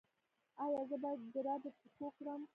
ایا زه باید جرابې په پښو کړم؟